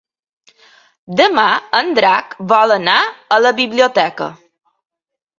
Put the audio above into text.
Demà en Drac vol anar a la biblioteca.